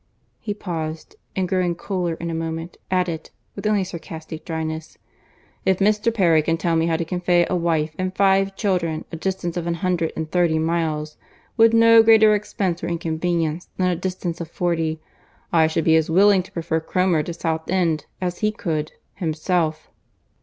He paused—and growing cooler in a moment, added, with only sarcastic dryness, "If Mr. Perry can tell me how to convey a wife and five children a distance of an hundred and thirty miles with no greater expense or inconvenience than a distance of forty, I should be as willing to prefer Cromer to South End as he could himself."